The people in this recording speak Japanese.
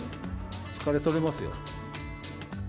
疲れ取れますよ。